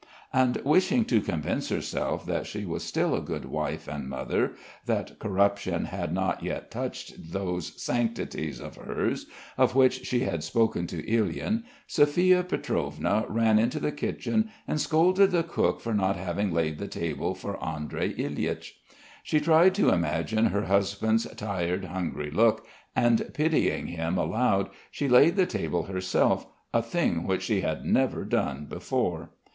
And wishing to convince herself that she was still a good wife and mother, that corruption had not yet touched those "sanctities" of hers, of which she had spoken to Ilyin, Sophia Pietrovna ran into the kitchen and scolded the cook for not having laid the table for Andrey Ilyitch. She tried to imagine her husband's tired, hungry look, and pitying him aloud, she laid the table herself, a thing which she had never done before.